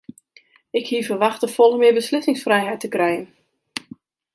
Ik hie ferwachte folle mear beslissingsfrijheid te krijen.